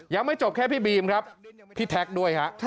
ยังไม่จบแค่พี่บีมครับพี่แท็กด้วยฮะ